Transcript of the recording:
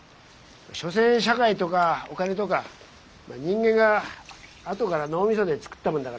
所詮社会とかお金とか人間があとから脳みそで作ったもんだからよ。